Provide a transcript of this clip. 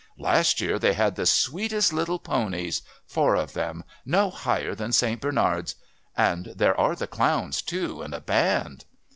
Last year they had the sweetest little ponies four of them, no higher than St. Bernards and there are the clowns too, and a band."